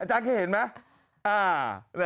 อาจารย์เคยเห็นไหม